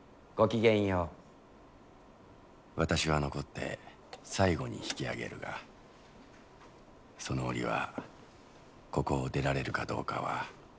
「私は残って最後に引き揚げるがその折はここを出られるかどうかはよく分からぬ。